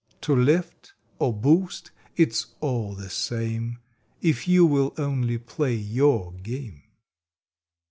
To lift or boost, it s all the same If you will only play YOUR game.